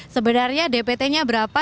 sebenarnya dptnya berapa